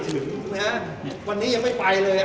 ฮอร์โมนถูกต้องไหม